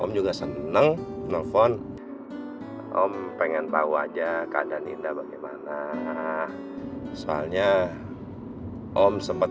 om juga seneng nelfon om pengen tahu aja keadaan indah bagaimana soalnya om sempat